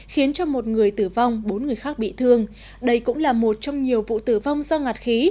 khiến cho một người tử vong bốn người khác bị thương đây cũng là một trong nhiều vụ tử vong do ngạt khí